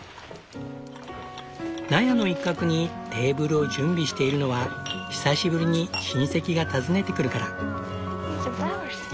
納屋の一角にテーブルを準備しているのは久しぶりに親戚が訪ねてくるから。